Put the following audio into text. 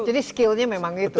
jadi skillnya memang itu